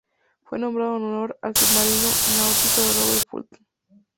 Fue nombrado en honor al submarino Nautilus de Robert Fulton.